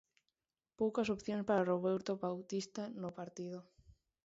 Poucas opcións para Roberto Bautista no partido.